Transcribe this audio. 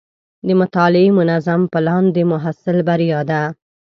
د مطالعې منظم پلان د محصل بریا ده.